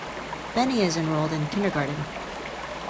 Benny is enrolled in kindergarten.